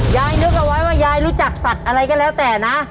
ยายนึกเอาไว้ว่ายายรู้จักสัตว์อะไรก็แล้วแต่นะ